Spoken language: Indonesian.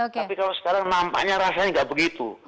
tapi kalau sekarang nampaknya rasanya nggak begitu